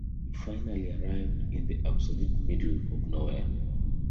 We finally arrived in the absolute middle of nowhere.